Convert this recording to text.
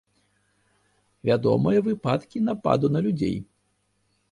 Вядомыя выпадкі нападу на людзей.